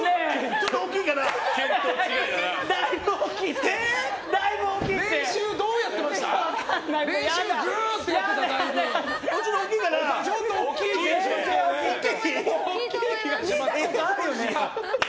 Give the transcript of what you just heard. ちょっと大きいですね。